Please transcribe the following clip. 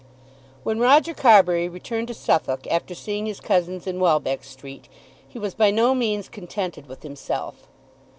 When Roger Carbury returned to Suffolk, after seeing his cousins in Welbeck Street, he was by no means contented with himself.